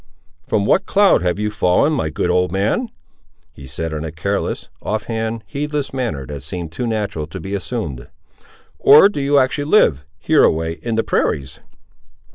"From what cloud have you fallen, my good old man?" he said in a careless, off hand, heedless manner that seemed too natural to be assumed: "or do you actually live, hereaway, in the prairies?"